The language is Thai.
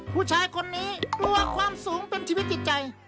ผู้ชายคนนี้กลัวความสูงเป็นชีวิตจิตใจ